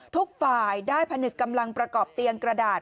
ทุกฝ่ายได้ผนึกกำลังประกอบเตียงกระดาษ